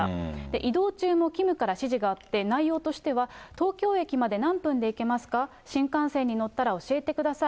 移動中もキムから指示があって、内容としては東京駅まで何分で行けますか、新幹線に乗ったら教えてください。